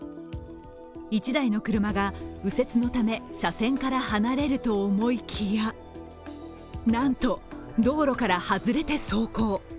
１台の車が右折のため車線から離れると思いきや、なんと、道路から外れて走行。